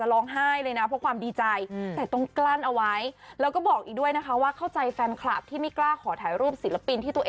ร้องเพลงที่ตายตลอดแล้วก็เอาไปประกวดตลอดทุกเวที